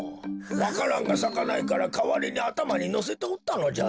わか蘭がさかないからかわりにあたまにのせておったのじゃろう。